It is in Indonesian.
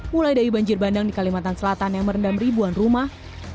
mulai dari banjir bandang di kalimantan selatan yang merendam ribuan rumah